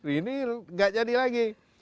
ini gak jadi lagi